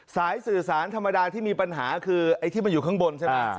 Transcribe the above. สายสื่อสารธรรมดาที่มีปัญหาคือไอ้ที่มันอยู่ข้างบนใช่ไหม